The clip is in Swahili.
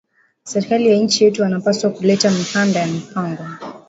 Serkali wa inchi yetu ana pashwa ku leta mikanda ya mpango